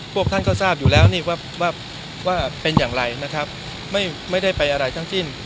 พวกท่านก็ทราบอยู่แล้วนี่ว่าเป็นอย่างไรนะครับไม่ได้ไปอะไรทั้งสิ้น